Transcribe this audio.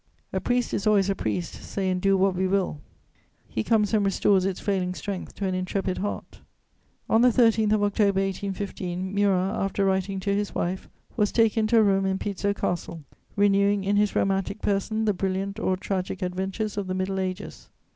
A priest is always a priest, say and do what we will; he comes and restores its failing strength to an intrepid heart. On the 13th of October 1815, Murat, after writing to his wife, was taken to a room in Pizzo Castle, renewing in his romantic person the brilliant or tragic adventures of the middle ages.